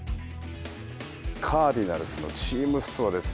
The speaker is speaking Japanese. カージナルスのチームストアです。